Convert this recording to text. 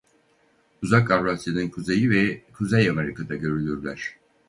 Uzak Avrasya'nın kuzeyi ve Kuzey Amerika'da görülürler.